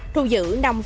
thu giữ năm ba